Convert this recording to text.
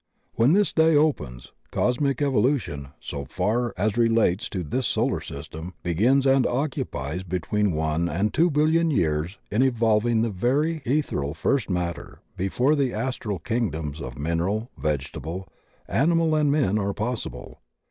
When this day opens, cosmic evolution, so far as relates to tliis solar system, begins and occupies be tween one and two billions of years in evolving the very ethereal first matter before the astral kingdoms of mineral, vegetable, animal and men are possible.